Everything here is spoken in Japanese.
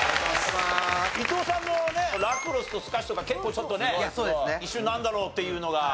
伊藤さんもねラクロスとスカッシュとか結構ちょっとね一瞬なんだろう？っていうのが。